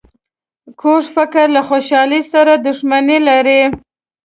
کوږ فکر له خوشحالۍ سره دښمني لري